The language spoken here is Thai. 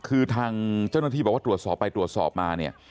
คือทางเจ้าหน้าที่บอกว่าตรวจสอบไปตรวจสอบมาเนี่ย